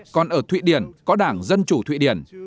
còn ở thụy điển có đảng dân chủ thụy điển